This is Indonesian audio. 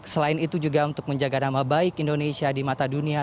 selain itu juga untuk menjaga nama baik indonesia di mata dunia